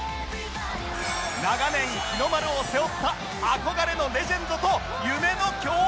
長年日の丸を背負った憧れのレジェンドと夢の共演！？